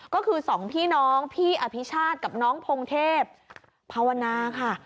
ก็คือสองพี่น้องพี่อภิชาติกับน้องพงเทพภาวนาค่ะ